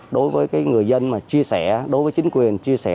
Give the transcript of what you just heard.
đối với người dân mà chia sẻ đối với chính quyền chia sẻ